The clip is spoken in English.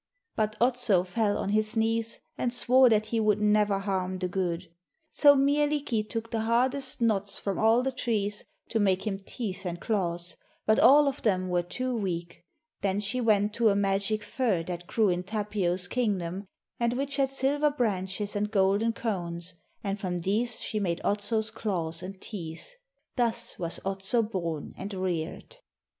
But Otso fell on his knees and swore that he would never harm the good. So Mielikki took the hardest knots from all the trees to make him teeth and claws, but all of them were too weak. Then she went to a magic fir that grew in Tapio's kingdom, and which had silver branches and golden cones, and from these she made Otso's claws and teeth. Thus was Otso born and reared.'